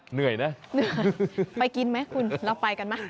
เหนื่อยนะไปกินไหมคุณเราไปกันมั้ย